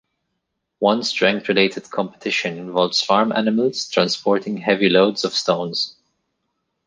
One strength-related competition involves farm animals transporting heavy loads of stones.